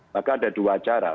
maka ada dua cara